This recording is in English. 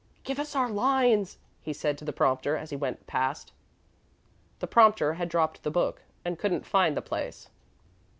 "Give us our lines," he said to the prompter, as he went past. The prompter had dropped the book, and couldn't find the place.